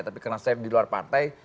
tapi karena saya di luar partai